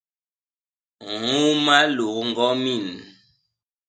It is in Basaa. ññôma lôk ñgomin.